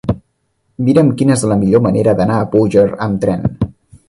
Mira'm quina és la millor manera d'anar a Búger amb tren.